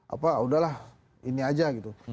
apa udah lah ini aja gitu